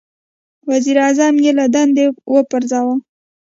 • وزیر اعظم یې له دندې وپرځاوه.